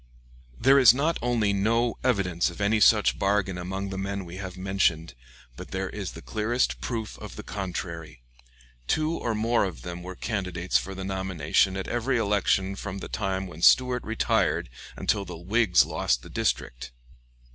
There is not only no evidence of any such bargain among the men we have mentioned, but there is the clearest proof of the contrary. Two or more of them were candidates for the nomination at every election from the time when Stuart retired until the Whigs lost the district.